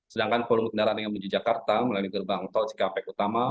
sedangkan volume kendaraan yang menuju jakarta melalui gerbang tol cikampek utama